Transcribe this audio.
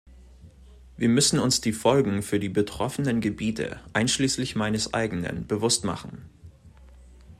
Wir müssen uns die Folgen für die betroffenen Gebiete, einschließlich meines eigenen, bewusst machen.